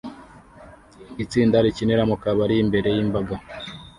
Itsinda rikinira mu kabari imbere yimbaga